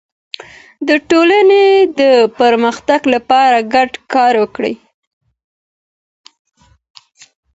د ټولني د پرمختګ لپاره ګډ کار وکړئ.